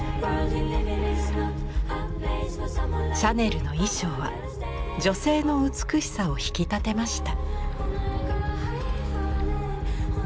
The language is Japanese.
シャネルの衣装は女性の美しさを引き立てました。